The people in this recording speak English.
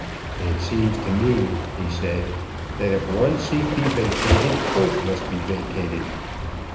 "It seems to me," he said, "that if one seat be vacated, both must be vacated."